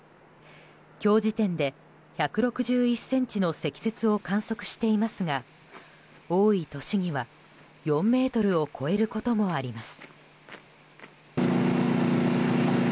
今日時点で１６１ｃｍの積雪を観測していますが多い年には４ｍを超えることもあります。